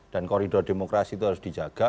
dan koridor demokrasi itu harus dijaga